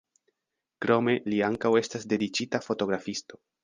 Krome li ankaŭ estas dediĉita fotografisto.